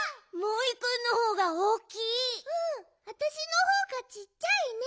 うんあたしのほうがちっちゃいね！